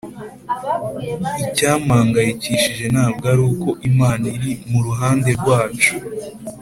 icyampangayikishije ntabwo aruko imana iri muruhande rwacu;